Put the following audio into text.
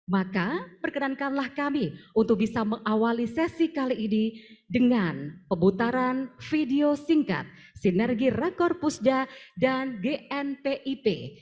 maka perkenankanlah kami untuk bisa mengawali sesi kali ini dengan pemutaran video singkat sinergi rekor pusda dan gnpip